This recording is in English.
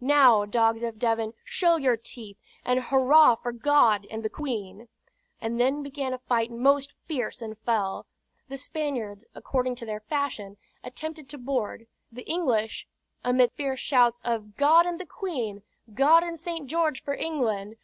Now, dogs of Devon, show your teeth, and hurrah for God and the Queen!" And then began a fight most fierce and fell; the Spaniards, according to their fashion, attempted to board, the English, amid fierce shouts of "God and the Queen!" "God and St. George for England!"